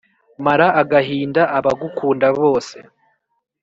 mara agahinda abagukunda bose